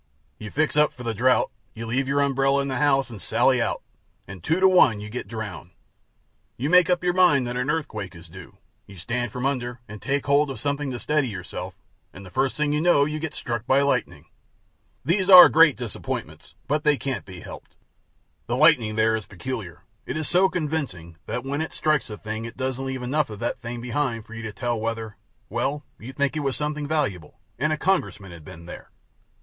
You fix up for the drought; you leave your umbrella in the house and sally out, and two to one you get drowned. You make up your mind that the earthquake is due; you stand from under, and take hold of something to steady yourself, and the first thing you know you get struck by lightning. These are great disappointments; but they can't be helped. The lightning there is peculiar; it is so convincing, that when it strikes a thing it doesn't leave enough of that thing behind for you to tell whether Well, you'd think it was something valuable, and a Congressman had been there.